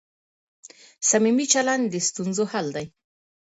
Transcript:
صمیمي چلند د ستونزو حل دی.